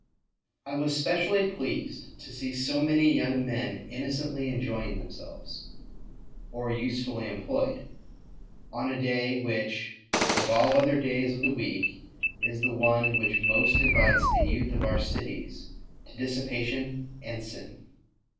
I was specially pleased to see so many young men innocently enjoying themselves, or usefully employed, on a day, which, of all other days of the week, is the one which most invites the youth of our cities to dissipation and sin.